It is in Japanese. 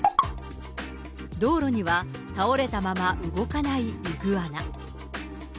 道路には倒れたまま動かないイグアナ。